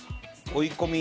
追い込み。